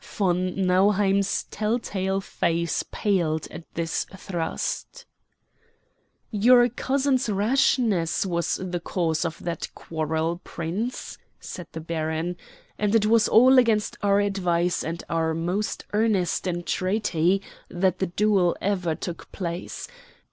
Von Nauheim's tell tale face paled at this thrust. "Your cousin's rashness was the cause of that quarrel, Prince," said the baron, "and it was all against our advice and our most earnest entreaty that the duel ever took place.